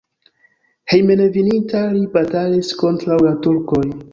Hejmenveninta li batalis kontraŭ la turkoj.